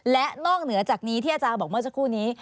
และนอกเหนือจากนี้ที่อาจารย์บอกเมื่อสักครู่นี้